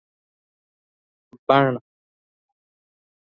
بڼ